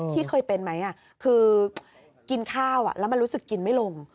ที่เคยเป็นไหมคือกินข้าวแล้วมันรู้สึกกินไม่ลง